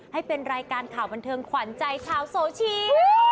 ให้เป็นรายการข่าวบรรเทิงขวัญใจข่าวโสชี